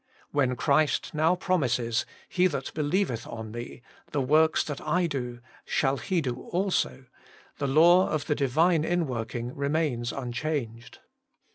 When Christ now promises, ' He that believeth on Me, the works that I do shall he do also,' the law of the Divine inworking remains unchanged.